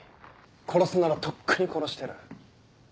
殺すならとっくに殺してる。